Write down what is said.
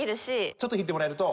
ちょっと弾いてもらえると。